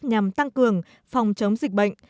nhằm tăng cường phòng chống dịch bệnh